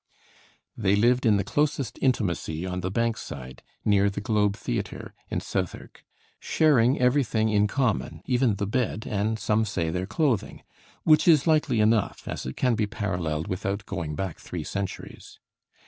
They lived in the closest intimacy on the Bankside, near the Globe Theatre in Southwark, sharing everything in common, even the bed, and some say their clothing, which is likely enough, as it can be paralleled without going back three centuries.